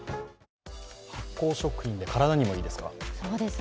発酵食品で体にもいいですから。